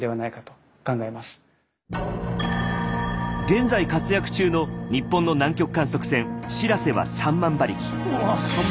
現在活躍中の日本の南極観測船「しらせ」は３万馬力。